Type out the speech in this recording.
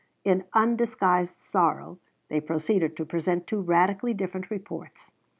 In undisguised sorrow they proceeded to present two radically different reports.